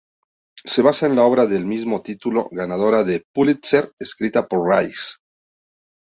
Se basa en la obra del mismo título, ganadora del Pulitzer, escrita por Rice.